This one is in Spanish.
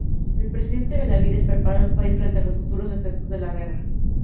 El presidente Benavides preparó al país frente a los futuros efectos de la guerra.